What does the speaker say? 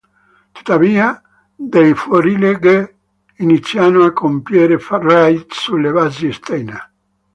Tuttavia dei fuorilegge iniziano a compiere raid sulle basi Steiner.